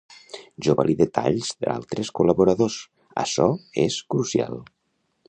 Jo valide talls d'altres col·laboradors, açò és crucial.